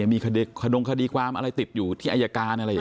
มีขนงคดีความอะไรติดอยู่ที่อายการอะไรอย่างนี้